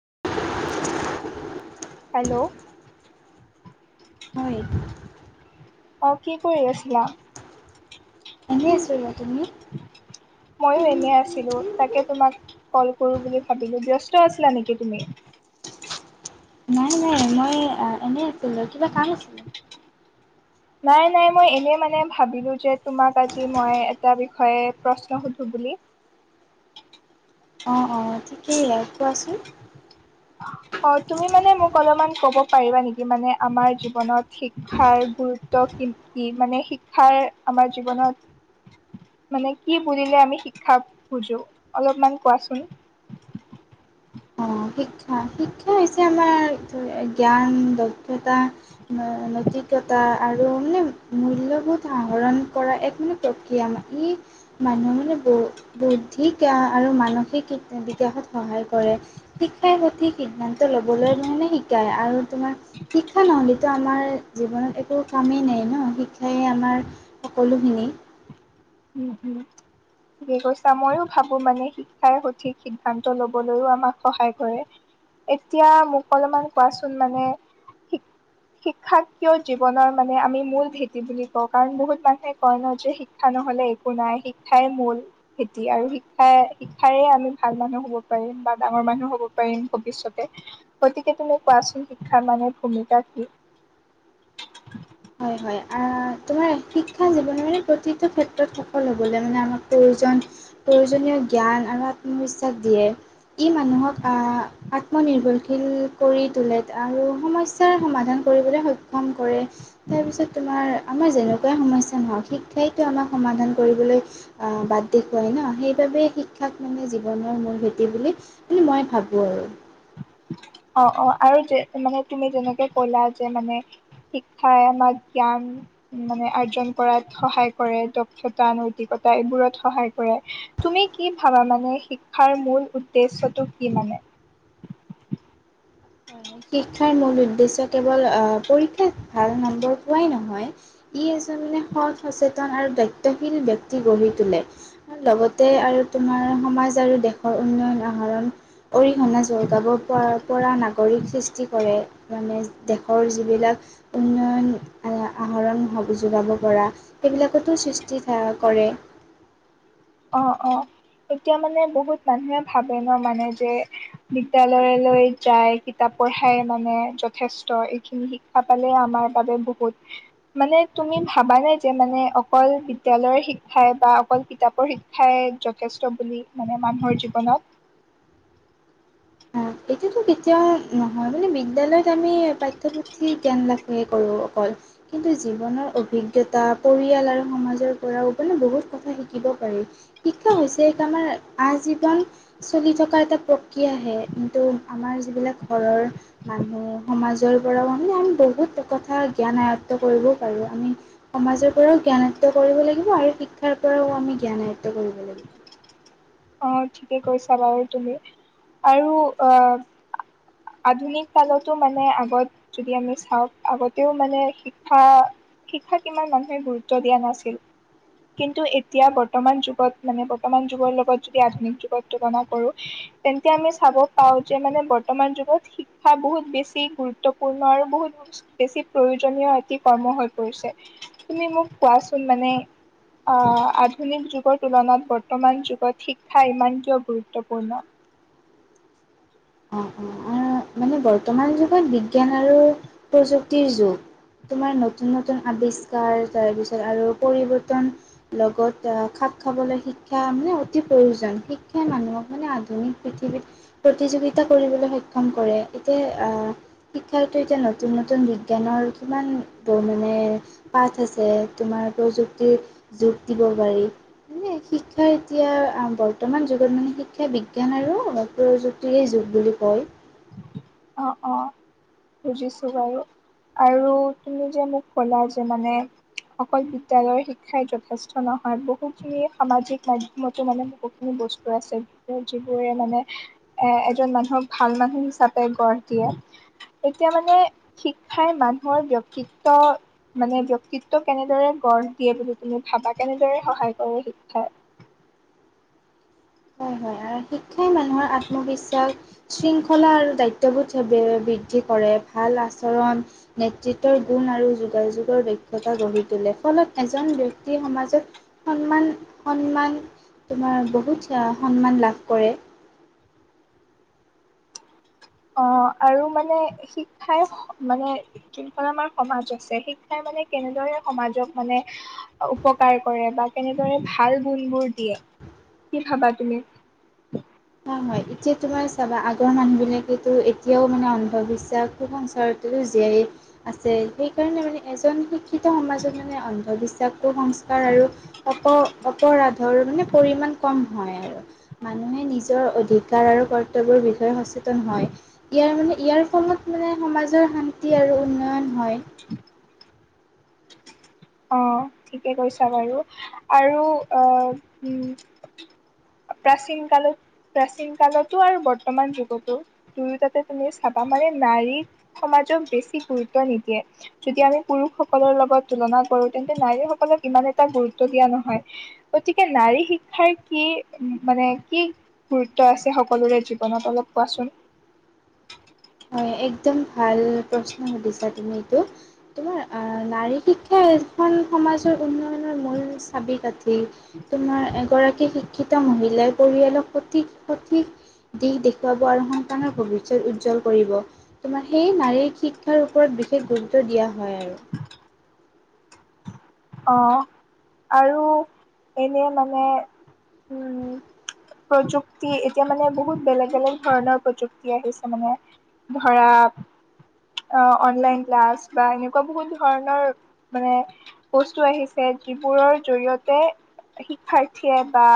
[inaudible] Hello হয়। অ', কি কৰি আছিলা? এনেই আছো। মইো এনেই আছিলো তাকে তোমাক কল- কৰো বুলি ভাবিলো ব্যস্ত আছিলা নেকি তুমি নাই-নাই মই এনেই আছিলো। কিবা কাম আছিল? নাই-নাই মই এনে মানে ভাবিলো যে তোমাক আজি মই এটা বিষয়ে প্ৰশ্ন সুধো লি অ-অ ঠিকেই আৰু কোৱাচোন। অ [inaudible] অ', তুমি মানে মোক অলপমান ক'ব পাৰিবা নেকি? মানে আমাৰ জীৱনত শিক্ষাৰ গুৰুত্ব কি-কি মানে শিক্ষাৰ আমাৰ জীৱনত মানে কি বুলিলে আমি শিক্ষা বুজো? অলপমান কোৱাচোন। অ শিক্ষা শিক্ষা হৈছে আমাৰ জ্ঞান দক্ষতা নৈতিক্ঞতা আৰু মানে [unintelligible] বহুত আহ ৰণ কৰা এক মানে প্ৰক্ৰিয়া ই মানুহ মানে ব বৌদ্ধিক আৰু ম মানসিক বিকাশত সহায় কৰে শিক্ষাৰ সঠিক সিদ্ধান্ত ল'বলৈ মানে শিকায় আৰু তোমাৰ শিক্ষা নহ'লেতো আমাৰ জীৱনত একো কামেই নাই, ন শিক্ষাই আমাৰ সকলোখিনি [inaudible] উম হুম। ঠিকে কৈছা ময়ো ভাবো মানে শিক্ষাই সঠিক সিদ্ধান্ত লবলৈও আমাক সহায় কৰে। এতিয়া মোক অলপমান কোৱাচোন মানে শিক্ষাক কিয় জীৱনৰ মানে আমি মূল ভেটি বুলি কও কাৰণ বহুত মানুহে কয় ন যে শিক্ষা নহয নহলে একো নাই শিক্ষাই মূল খেতি আৰু শিক্ষাই শিক্ষাৰে আমি ভাল মানুহ হ'ব পাৰিম। বা ডাঙৰ মানুহ হ'ব পাৰিম ভৱিষ্যতে গতিকে তুমি কোৱাচোন শিক্ষাৰ মানে ভূমিকা কি? [unintelligible] হয় - হয় তোমাৰ শিক্ষা জীৱনৰে প্ৰতিটো ক্ষেত্ৰত সফল হবলে মানে আমাক প্ৰয়োজন প্ৰয়োজনীয় জ্ঞান আৰু আত্মবিশ্বাস দিয়ে। ই মানুহক আ আত্মনিৰ্ভৰশীল কৰি তোলে আৰু সম স্যাৰ সমাধান কৰিবলৈ সক্ষম কৰে। তাৰপিছত তোমাৰ আমাৰ যেনেকুৱাই সমস্যা নহওক শিক্ষাইতো আমাক সমাধান কৰিবলৈ বাত অ, দেখুৱাই না সেইবাবেই শিক্ষাক মানে জীৱনৰ মূল ভেটি বুলি মানে মই ভাবোঁ আৰু। অ - অ আৰু যে মানে তুমি যেনেকে কলা যে মানে। শিক্ষাই আমাক জ্ঞান মানে আৰ্জন কৰাত সহায় কৰে দক্ষতা নৈতিকত টাইবোৰত সহায় কৰে তুমি কি ভাবা মানে শিক্ষাৰ মূল উদ্দেশ্যটো কি মানে? [inaudible] শিক্ষাৰ মূল উদ্দেশ্য কেৱল পৰীক্ষাত ভাল নম্বৰ পোৱাই নহয়, ই তাৰমানে সৎ, সচেতন আৰু দায়িত্বশীল ব্যক্তি গঢ়ি তোলে লগতে আৰু তোমাৰ সমাজ আৰু দেশৰ উন্নয়ন আহৰণ অৰিহণা যোগাব পৰা পৰা নাগৰিক সৃষ্টি কৰে মানে। দেশৰ যিবিলাক উন্নয়ন এয়া আহৰণ হবি যোৰাব পৰা সেইবিলাক তাতো সৃষ্টি থাহ কৰে। অ - অ এতিয়া মানে বহুত মানুহে ভাবে ন মানে যে বিদ্য়ালয়লৈ যাই কিতাপ পঢ়াই মানে যথেষ্ট এইখিনি শিক্ষা পালে আমাৰ মানে তুমি ভাবা নাই যে মানে অকল বিদ্যালয়ৰ শিক্ষাই বা অকল কিতাপৰ শিক্ষাই যথেষ্ট বুলি মানে মানুহৰ জীৱনত? অঁ এইটোতো কেতিয়াও নহয় মানে বিদ্যালয়ত আমি পাঠ্যপুথিৰ জ্ঞান লাভ হে কৰো অকল কিন্তু জীৱনৰ অভিজ্ঞতা পৰিয়াল আৰু সমাজৰ পৰাও মানে বহুত কথা শিকিব পাৰি। শিক্ষা হৈছে এক আমাৰ আজীৱন চলি থকা এটা প্ৰক্ৰিয়াহে কিন্তু আমাৰ যিবিলাক ঘৰৰ মানুহ সমাজৰ পৰাও মানে আমি বহুত কথা জ্ঞান আয়ত্ব কৰিবও পাৰো আমি সমাজৰ পৰাও জ্ঞান আয়ত্ব কৰিব লাগিব আৰু শিক্ষাৰ পৰাও আমি জ্ঞান আয়ত্ব কৰিব লাগিব। [unintelligible] অ, ঠিকে কৈছা বাৰু তুমি আৰু আহ আধুনিক কালতো মানে আগত যদি আমি চাওক আগতেও মানে শিক্ষা শিক্ষাক ইমান মানুহে গুৰুত্ব দিয়া নাছিল। কিন্তু এতিয়া বৰ্তমান যুগত মানে বৰ্তমান যুগৰ লগত যদি আধুনিক যুগত তুলনা কৰো তেন্ত আমি চাব পাওঁ যে মানে বৰ্তমান যুগত শিক্ষা বহুত বেছি গুৰুত্বপূৰ্ণ আৰু বহুত বেছি প্ৰয়োজনীয় এটি কৰ্ম হৈ পৰিছে। তুমি মোক কোৱাচোন মানে অ, আধুনিক যুগৰ তুলনাত বৰ্তমান যুগত শিক্ষা ইমান কিয় গুৰুত্বপূৰ্ণ। অ - অ মানে বৰ্তমান যুগত বিজ্ঞান আৰু প্ৰযুক্তিৰ যুগ। তোমাৰ নতুন - নতুন আৱিষ্কাৰ তাৰপিছত আৰু পৰিৱৰ্তন লগত খাপ খাবলে শিক্ষা অ, মানে অতি প্ৰয়োজন শিক্ষাই মানুহক মানে আধুনিক পৃথিৱীত প্ৰতিযোগি তা কৰিবলৈ সক্ষম কৰে এতিয়া শিক্ষাটো এতিয়া নতুন- নতুন বিজ্ঞানৰ কিমান মানে পাঠ আছে, তোমাৰ প্ৰযুক্তি যোগ দিব পাৰি। মানে শিক্ষা এতিয়া বৰ্তমান যুগত মানে শিক্ষা বিজ্ঞান আৰু প্ৰযুক্তিৰে যুগ বুলি কয় অ অ বুজিছো বাৰু৷ আৰু তুমি যে মোক কলা যে মানে? অকল বিদ্যালয়ৰ শিক্ষাই যথেষ্ট নহয়৷ বহুখিনি সামাজিক মাধ্যমতো মানে বহুখিনি বস্তু আছে যিবোৰে মানে এ এজন মানুহক ভাল মানুহ হিচাপে গঢ় দিয়ে৷ এতিয়া মানে শিক্ষাই মানুহৰ ব্যক্তিত্ব মানে ব্যক্তিত্ব কেনেদৰে গঢ় দিয়ে বুলি তুমি ভাবা? কেনেদৰে সহায় কৰে শিক্ষাই? হয় হয় শিক্ষাই মানুহৰ আত্মবিশ্বাস, শৃংখলা আৰু দায়িত্ববোধ বৃদ্ধি কৰে ভাল আচৰণ, নেতৃত্বৰ গুণ আৰু যোগাযোগৰ দক্ষতা গঢ়ি তোলে৷ ফলত এজন ব্যক্তি সমাজত সন্মান সন্মান তোমাৰ বহুত সন্মান লাভ কৰে৷ অ আৰু মানে শিক্ষাই মানে যোনখন আমাৰ সমাজ আছে শিক্ষাই মানে মানে কেনেদৰে সমাজক মানে উপকাৰ কৰে? বা কেনেদৰে ভাল গুণবোৰ দিয়ে? কি খাবা তুমি? চোবা আগৰ মানুহবিলাকেতো এতিয়াও মানে অন্ধবিশ্বাস, কুসংস্কাৰতে জীয়াই আছে৷ সেইকাৰণে মানে এজন শিক্ষিত সমাজত মানে অন্ধবিশ্বাস, কুসংস্কাৰ আৰু অপ অপৰাধৰ মানে পৰিমান কম হয় আৰু মানুহে নিজ ৰ অধিকাৰ আৰু কৰ্তব্যৰ বিষয়ে সচেতন হয়৷ ইয়াৰ মানে ইয়াৰ ফলত মানে সমাজৰ শান্তি আৰু উন্নয়ন হয়৷ অ ঠিকে কৈছা বাৰু আৰু প্ৰাচীন কালত প্ৰাচীন কালতো আৰু বৰ্তমান যুগতো দুয়োটাতে তুমি চাবা মানে নাৰী সমাজক বেছি গুৰুত্ব নিদিয়ে যদি আমি পুৰুষসকলৰ লগত তুলনাত কৰো তেন্তে নাৰীসকলক ইমান এটা গুৰুত্ব দিয়া নহয় গতিকে নাৰী শিক্ষাৰ কি মানে কি গুৰুত্ব আছে সকলোৰে জীৱনত অলপ কোৱাচোন? হয় একদম ভাল প্ৰশ্ন সুধিছা তুমি এইটো৷ তোমাৰ অ নাৰী শিক্ষাই এখন সমাজৰ উন্নয়নৰ মূল চাবি কাঠি৷ তোমাৰ এগৰাকী শিক্ষিত মহিলাই পৰিয়ালক সঠিক সঠিক দিশ দেখুৱাব আৰু সন্তানৰ ভৱিষ্যত উজ্জ্বল কৰিব৷তোমাৰ সেয়ে নাৰীৰ শিক্ষাৰ ওপৰত বিশেষ গুৰুত্ব দিয়া হয় আৰু৷ অঁ আৰু এনেই মানে প্ৰযুক্তি এতিয়া মানে বহুত বেলেগ বেলেগ ধৰণৰ প্ৰযুক্তি আহিছে মানে, ধৰা অনলাইন ক্লাছ বা এনেকুৱা বহুত ধৰণৰ মানে বস্তু আহিছে যিবোৰৰ জৰিয়তে শিক্ষাৰ্থীয়ে বা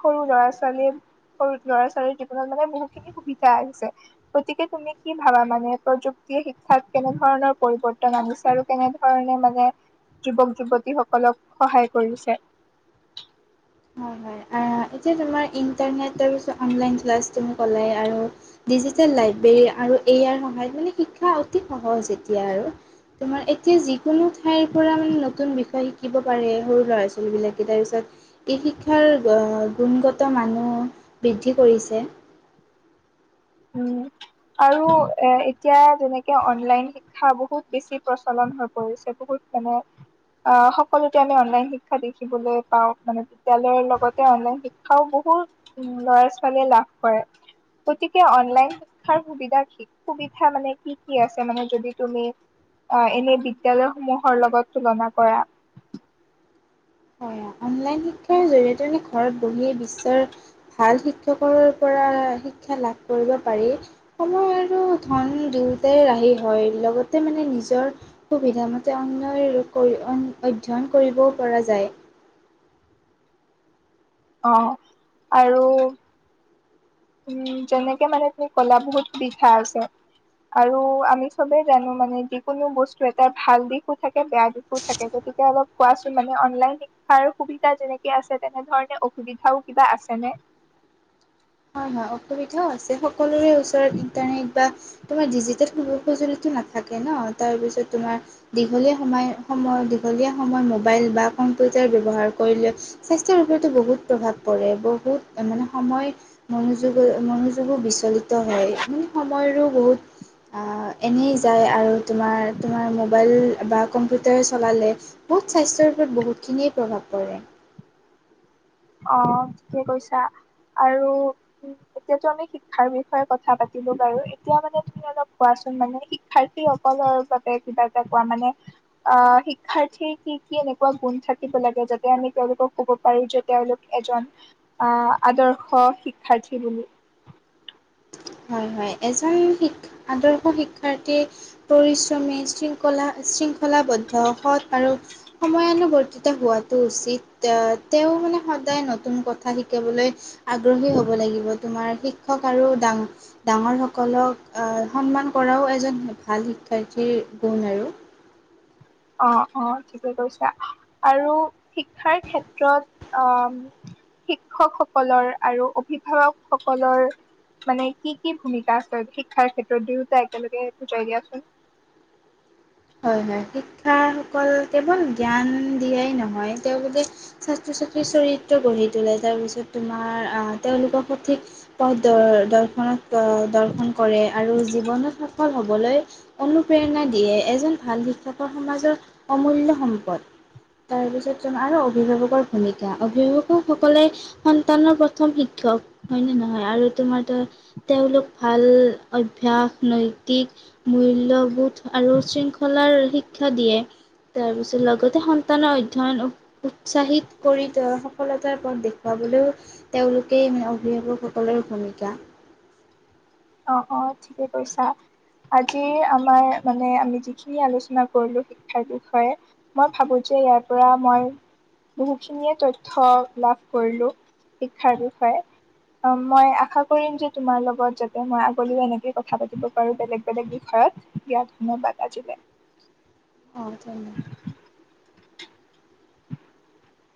সৰু ল'ৰা ছোৱালীয়ে সৰু ল'ৰা ছোৱালীৰ জীৱনত মানে বহুতখিনি সুবিধা আহিছে৷ গতিকে তুমি কি ভাবা মানে প্ৰযুক্ শিক্ষাত কেনেধৰণৰ পৰিৱৰ্তন আনিছে আৰু কেনেধৰণে মানে যুৱক যুৱতীসকলক সহায় কৰিছে? হয় হয় এতিয়া তোমাৰ ইণ্টাৰনেটৰ আৰু অনলাইন ক্লাছ তুমি কলে আৰু ডিজিটেল লাইব্ৰেৰী আৰু এ আই ৰ সহায়ত মানে শিক্ষা অতি সহজ এতিয়া আৰু৷ তোমাৰ এতিয়া যিক কোনো ঠাইৰ পৰা মানে নতুন বিষয় শিকিব পাৰে সৰু ল'ৰা ছোৱালীবিলাকে৷তাৰপিছত এই শিক্ষা ৰ গুণগত মানো বৃদ্ধি কৰিছে৷ উম আৰু এ এতিয়া যেনেকে অনলাইন শিক্ষা বহুত বেছি প্ৰচলন হৈ পৰিছে৷ বহুত মানে অ সকলোতে আমি অনলাইন শিক্ষা দেখিবলৈ পাওঁ৷ মানে বিদ্যালয়ৰ লগতে অনলাইন শিক্ষাও বহুত বহুত ল'ৰা ছোৱালীয়ে লাভ কৰে৷গতিক কে অনলাইন শিক্ষাৰ সুবিধা কি সুবিধা মানে কি কি আছে মানে যদি তুমি অ এনে বিদ্যালয়সমূহৰ লগত তুলনা কৰা৷ হয়, অনলাইন শিক্ষাৰ জৰিয়তেনে ঘৰত বহিয়ে বিশ্বৰ ভাল শিক্ষকৰ পৰা শিক্ষা লাভ কৰিব পাৰি সময় আৰু ধন দুয়োটাই ৰাহি হয় লগতে মানে নিজৰ সুবিধা মতে অন অধ্যয়ন কৰিব পৰা যায়। অ' আৰু উম, যেনেকে মানে তুমি কলা বহুত বিষাই আছে। আৰু আমি চবেই জানো মানে যিকোনো বস্তু এটা ভাল দিশো থাকে, বেয়া দিশো থাকে যদি অলপ কোৱাচোন মানে অনলাইন শিক্ষাৰ সুবিধা যেনেকে আছে, তেনেধৰণে অসুবিধাও কিবা আছেনে। [unintelligible] হয়-হয় অসুবিধাও আছে, সকলোৰে ওচৰত ইন্টাৰনেট বা তোমাৰ ডিজিটেল সু-সজুলি নাথাকে ন' তাৰপিছত তোমাৰ দীঘলে সময় সময় দীঘ দীঘলীয়া সময় মোবাইল বা কম্পিউটাৰ ব্যৱহাৰ কৰিলে স্বাস্থ্যৰ ওপৰতো বহুত প্ৰভাৱ পৰে বহুত বহুত মানে সময়। মনোযোগৰ মনোযোগো বিচলিত হয়, মানে সময়ৰো বহুত এনেই যায় আৰু তোমাৰ, তোমাৰ মোবাইল বা কম্পিউটাৰ চলালে। বহুত স্বাস্থ্যৰ ওপৰত বহুতখিনিয়ে প্ৰভাৱ পৰে। অ, ঠিকে কৈছা। আৰু উ এতিয়াতো আমি শিক্ষাৰ বিষয়ে কথা পাতিব পাৰো, এতিয়া মানে তুমি অলপ কোৱা মানে শিক্ষাৰ্থীসকলৰ বাবে কিবা এটা কোৱা মানে অ' শিক্ষাৰ্থী কি-কি এনেকুৱা গুণ থাকিব লাগে যাতে আমি তেওঁলোকক ক'ব পাৰো য'ত তেওঁলোক এজন আহ আদৰ্শ শিক্ষাৰ্থী বুলি হয়-হয় এজন শি আদৰ্শ শিক্ষাৰ্থীৰ পৰিশ্ৰমী শৃংখলা শৃংখলাবদ্ধ, সৎ আৰু সময়ানুবৰ্তিত হোৱাটো উচিত তেওঁ মানে সদায় নতুন কথা শিকাবলৈ আগ্ৰহী হ'ব লাগিব তোমাৰ শি শিক্ষক আৰু দাং ডাঙৰ সকলক আহ সন্মান কৰাও এজন ভাল শিক্ষাৰ্থীৰ গুণ আৰু [inaudible] অ', -অ' ঠিকে কৈছা আৰু শিক্ষাৰ ক্ষেত্ৰত আহ শিক্ষকসকলৰ আৰু অভিভাৱক সকলৰ। মানে কি, কি ভূমিকা আছে শিক্ষাৰ ক্ষেত্ৰত দুয়োটাই একেলগে বুজাই দিয়াচোন। [inaudible] হয়-হয় শিক্ষা সকল কেৱল জ্ঞান দিয়াই নহয় তেওঁলোকে চৰিত্ৰ গঢ়ি তোলে, তাৰ পিছত তোমাৰ আহ তেওঁলোকক সঠিক পথ দ-দৰ্শনত। দৰ্শন কৰে আৰু জীৱনত সফল হ'বলৈ অনুপ্ৰেৰণা দিয়ে। এজন ভাল শিক্ষকৰ সমাজৰ অমূল্য সম্পদ। তাৰপিছত যোন আৰু অভিভাৱকৰ ভূমিকা অভিভাৱকসকলে সন্তানৰ প্ৰথম শিক্ষা। ক হয়নে নহয় আৰু তোমাৰ তেওঁলোক ভাল অভ্যাস নৈতিক মূল্যবোধ আৰু শৃংখলাৰ শিক্ষা দিয়ে। তাৰ পিছত লগতে সন্তানৰ অধ্যয়ন উৎসাহিত কৰি ত সফলতাৰ পথ দেখুৱাব। হ'লেও তেওঁলোকে মানে অভিভাৱকসকলৰ ভূমিকা [unintelligible] অ', -অ ঠিকে কৈছা। আজিৰ আমাৰ মানে আমি যিখিনি আলোচনা কৰিলো শিক্ষাৰ বিষয়ে মই ভাবো যে ইয়াৰ পৰা মই বহুখিনিয়ে তথ্য লাভ কৰিলো শিক্ষাৰ বিষয়ে। অ' মই আশা কৰিম যে তোমাৰ লগত যাতে মই আগলৈও এনেকৈয়ে কথা পাতি পাৰো বেলেগ বেলেগ বিষয়ত দিয়া ধন্যবাদ আজিলৈ। [inaudible] অ ধন্যবাদ [inaudible]